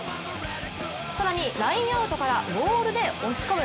更にラインアウトからモールで押し込む。